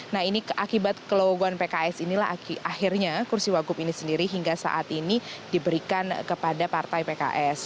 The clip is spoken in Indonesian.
nah ini akibat keloguan pks inilah akhirnya kursi wagub ini sendiri hingga saat ini diberikan kepada partai pks